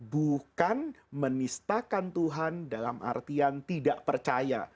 bukan menistakan tuhan dalam artian tidak percaya